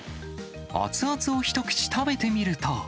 熱々を一口食べてみると。